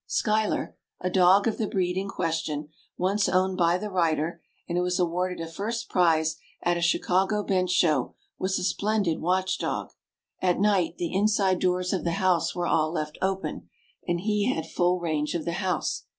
Schuyler, a dog of the breed in question, once owned by the writer, and who was awarded a first prize at a Chicago bench show, was a splendid watch dog. At night, the inside doors of the house were all left open, and he had full range of the house.